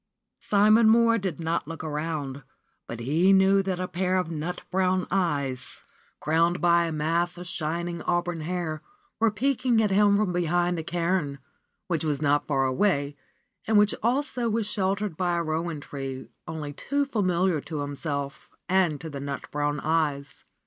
Simon Mohr did not look around, but he knew that a pair of nut brown eyes, crowned by a mass of shining auburn hair, were peeping at him from behind a cairn, which was not far away, and which also was sheltered by RENUNCIATION OF FRA SIMONETTA 97 a rowan tree only too familiar to himself and to the nut brown eyes.